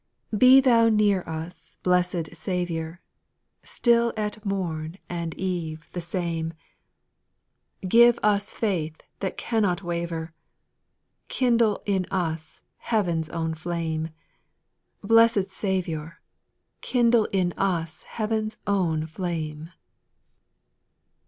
2. Be Thou near us, blessed Saviour, Still at mom and eve tVv^i asvrev^ \ 50 SPIRITUAL SONGS, Give us faith that cannot waver, Kindle in us heaven's own flame,— Blessed Saviour, Kindle in us heaven's own flame.